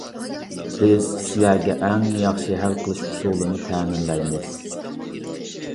بىز سىلەرگە ئەڭ ياخشى ھەل قىلىش ئۇسۇلىنى تەمىنلەيمىز.